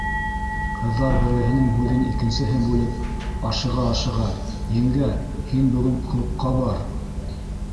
Ҡыҙҙар, береһенең һүҙен икенсеһе бүлеп, ашыға-ашыға: - Еңгә, һин бөгөн клубҡа бар.